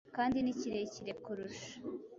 kandi ni kirekire kurusha